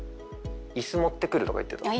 イス持ってくるとか言ってた。